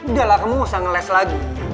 udah lah kamu nggak usah ngeles lagi